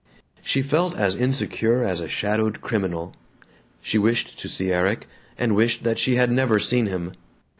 She felt as insecure as a shadowed criminal. She wished to see Erik, and wished that she had never seen him.